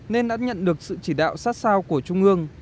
nên đã nhận được sự chỉ đạo sát sao của trung ương